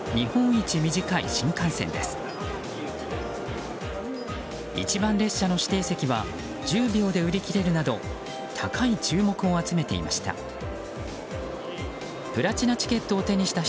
一番列車の指定席は１０秒で売り切れるなど高い注目を集めていました。